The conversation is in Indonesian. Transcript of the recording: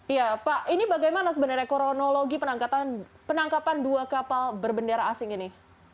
iya pak ini bagaimana sebenarnya kronologi penangkapan dua kapal berbendera asing ini